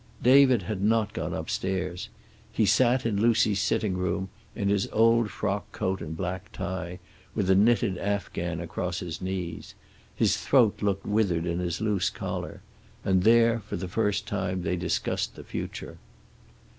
David had not gone upstairs. He sat in Lucy's sitting room, in his old frock coat and black tie, with a knitted afghan across his knees. His throat looked withered in his loose collar. And there for the first time they discussed the future.